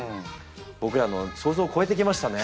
僕らの想像を超えてきましたね。